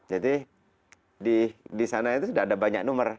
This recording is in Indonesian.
jadi di sana itu sudah ada banyak nomor